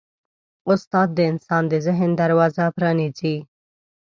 استاد د انسان د ذهن دروازه پرانیزي.